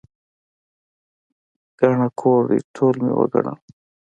ګڼه کور دی، ټول مې وګڼل.